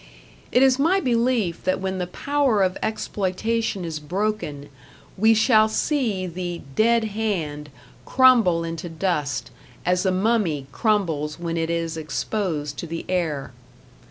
It is my belief that when the power of exploitation is broken, we shall see the Dead Hand crumble into dust, as a mummy crumbles when it is exposed to the air.